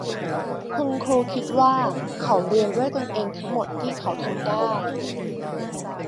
คุณครูคิดว่าเขาเรียนด้วยตัวเองทั้งหมดที่เขาทำได้